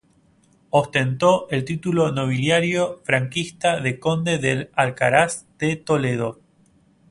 Ostentó el título nobiliario franquista de conde del Alcázar de Toledo.